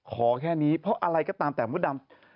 ขอแค่นี้เพราะอะไรก็ตามแต่มดดำ